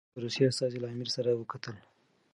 د روسیې استازي له امیر سره وکتل.